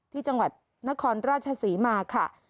ที่จังหวัดนครราชศรีมาค่ะ